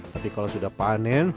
tapi kalau sudah panen